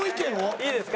いいですか？